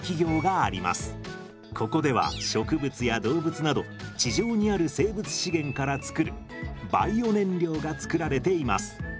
ここでは植物や動物など地上にある生物資源から作るバイオ燃料が作られています。